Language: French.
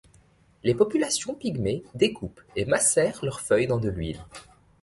Les populations pygmées découpent et macèrent leurs feuilles dans de l’huile.